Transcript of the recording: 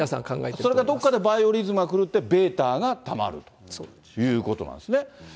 それがどっかでバイオリズムが狂ってβがたまるということなんですね。